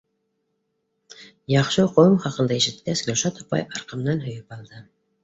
Яҡшы уҡыуым хаҡында ишеткәс, Гөлшат апай арҡамдан һөйөп алды.